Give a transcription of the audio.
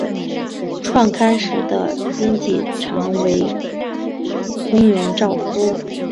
创刊时的编辑长为宫原照夫。